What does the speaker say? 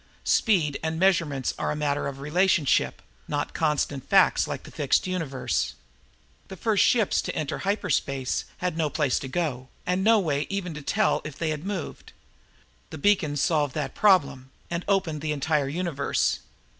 Speed and measurements are a matter of relationship, not constant facts like the fixed universe. The first ships to enter hyperspace had no place to go and no way to even tell if they had moved. The beacons solved that problem and opened the entire universe.